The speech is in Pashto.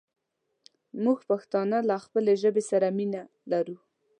مونږ پښتانه له خپلې ژبې سره مينه لرو